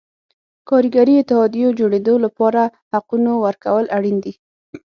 کارګري اتحادیو جوړېدو لپاره حقونو ورکول اړین دي.